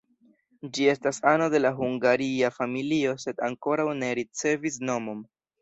Ĝi estas ano de la hungaria familio sed ankoraŭ ne ricevis nomon.